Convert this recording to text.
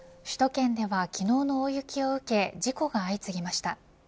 首都圏では昨日の大雪を受け事故が相次ぎました。